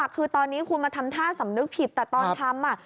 คือตอนนี้คุณมาทำท่าสำนึกผิดแต่ตอนทำ